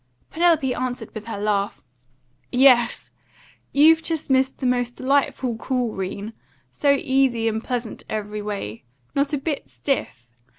Penelope answered with her laugh. "Yes! You've just missed the most delightful call, 'Rene. So easy and pleasant every way. Not a bit stiff!